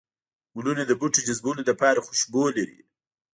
گلونه د بوټو جذبولو لپاره خوشبو لري